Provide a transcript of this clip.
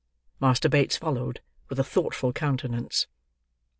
Master Bates followed, with a thoughtful countenance.